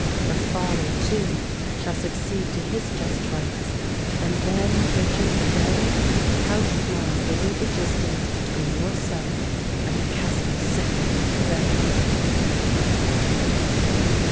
Her father, too, shall succeed to his just rights; and then, Richard, then—how small will be the distance between yourself and the Castelcicalan throne!